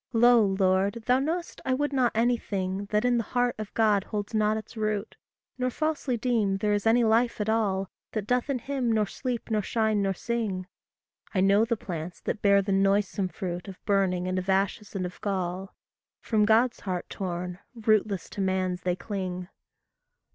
Lo, Lord, thou know'st, I would not anything That in the heart of God holds not its root; Nor falsely deem there is any life at all That doth in him nor sleep nor shine nor sing; I know the plants that bear the noisome fruit Of burning and of ashes and of gall From God's heart torn, rootless to man's they cling.